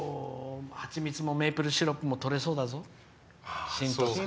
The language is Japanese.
蜂蜜もメープルシロップもとれそうだぞ。